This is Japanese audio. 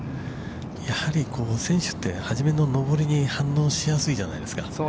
やはり選手って、初めの上りに反応しやすいじゃないですか。